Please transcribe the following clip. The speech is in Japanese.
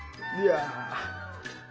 いやぁ。